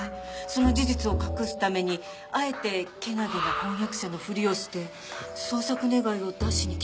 その事実を隠すためにあえてけなげな婚約者のふりをして捜索願を出しに来たとか？